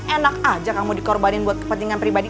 enak aja kamu dikorbanin buat kepentingan pribadi